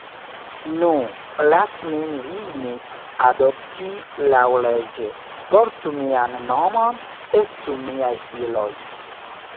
Nu, lasu min vin adopti laŭleĝe; portu mian nomon; estu miaj filoj.